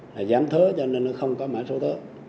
là giám thứa cho nên nó không có mã số thứa